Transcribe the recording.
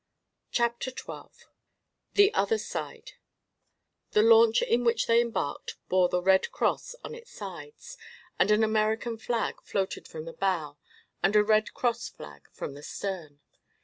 CHAPTER XII THE OTHER SIDE The launch in which they embarked bore the Red Cross on its sides, and an American flag floated from the bow and a Red Cross flag from the stern.